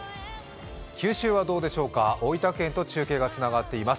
九州はどうでしょうか大分県と中継がつながっています。